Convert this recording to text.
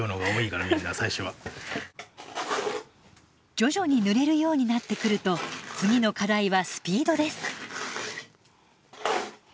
徐々に塗れるようになってくると次の課題はスピードです。